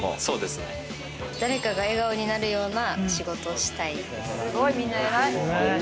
誰かが笑顔になるような仕事をしたいです。